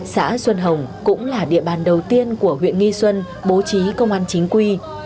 xã xuân hồng cũng là địa bàn đầu tiên của huyện nghi xuân bố trí công an chính quy